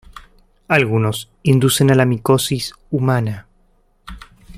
Algunos inducen a la micosis humana.